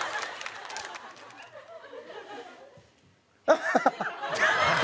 ハハハハ！